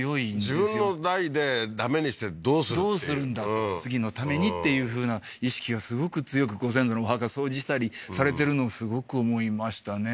自分の代でダメにしてどうするっていうどうするんだと次のためにっていうふうな意識がすごく強くご先祖のお墓掃除したりされてるのをすごく思いましたね